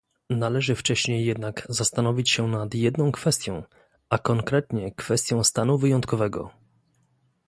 Należy wcześniej jednak zastanowić się nad jedną kwestią, a konkretnie kwestią stanu wyjątkowego